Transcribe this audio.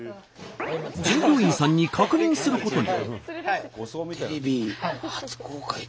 従業員さんに確認することに。